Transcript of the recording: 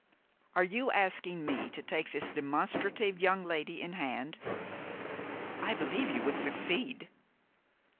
"Are you asking me to take this demonstrative young lady in hand?" "I believe you would succeed."